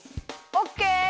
オッケー！